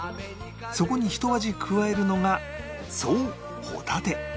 そこにひと味加えるのがそうホタテ